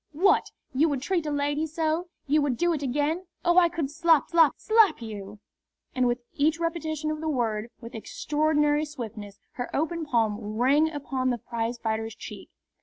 What! you would treat a lady so you would do it again? Oh, I could slap, slap, slap you!" And with each repetition of the word, with extraordinary swiftness, her open palm rang upon the prizefighter's cheek.